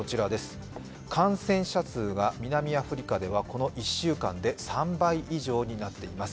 感染者数が南アフリカではこの１週間で３倍以上になっています。